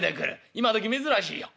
今どき珍しいよ」。